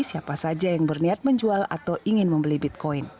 sehingga anda tidak akan terlalu banyak membeli bitcoin